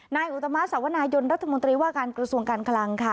อุตมาสวนายนรัฐมนตรีว่าการกระทรวงการคลังค่ะ